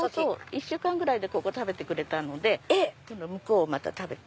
１週間ぐらいでここ食べてくれたので向こうをまた食べてる。